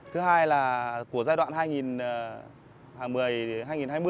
thứ hai là của giai đoạn hai nghìn hai mươi và định hướng đến năm hai nghìn hai mươi năm